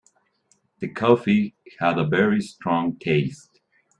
The coffee had a very strong taste.